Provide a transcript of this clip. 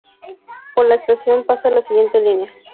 Por la estación pasa la siguiente línea